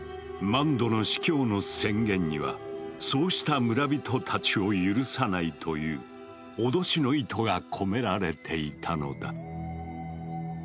マンドの司教の宣言にはそうした村人たちを許さないという脅しの意図が込められていたのだ。